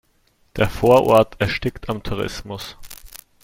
Der Vorort erstickt am Tourismus.